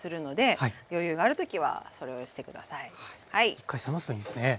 一回冷ますといいんですね。